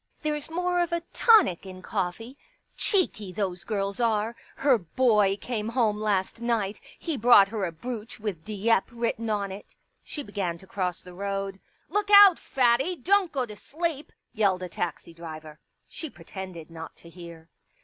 There's more of a tonic in coffee. ... Cheeky, those girls are ! Her boy came home last night ; he brought her a brooch with * Dieppe ' written on it." She began to cross the road. ..." Look out, Fattie ; don't go to sleep !" yelled a taxi driver. She pretended not to hear.